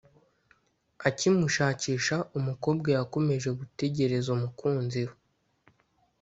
Akimushakisha umukobwa yakomeje gutegereza umukunzi we